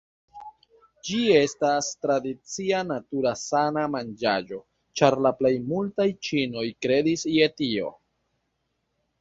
Ĝi estas tradicia natura sana manĝaĵo ĉar la plej multaj ĉinoj kredis je tio.